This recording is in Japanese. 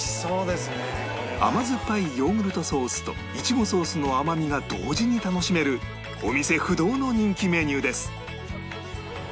甘酸っぱいヨーグルトソースといちごソースの甘みが同時に楽しめるお店不動の人気メニューです